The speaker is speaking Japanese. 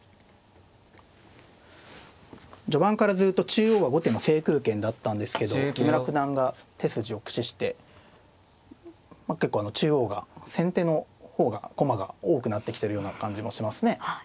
序盤からずっと中央は後手の制空権だったんですけど木村九段が手筋を駆使して結構中央が先手の方が駒が多くなってきてるような感じもしますね。